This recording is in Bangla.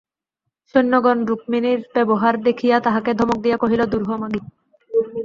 সৈন্যগণ রুক্মিণীর ব্যবহার দেখিয়া তাহাকে ধমক দিয়া কহিল, দূর হ মাগী।